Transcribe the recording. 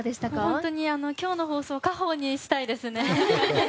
本当に今日の放送を家宝にしたいですね。